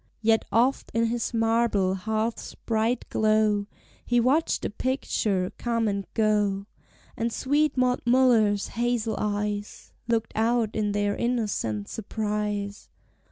Yet oft, in his marble hearth's bright glow, He watched a picture come and go; And sweet Maud Muller's hazel eyes Looked out in their innocent surprise.